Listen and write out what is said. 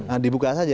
nah dibuka saja